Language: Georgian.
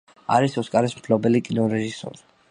არის ოსკარის მფლობელი კინორეჟისორი.